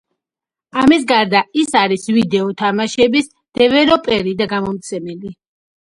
ამას გარდა, ის არის ვიდეო თამაშების დეველოპერი და გამომცემელი.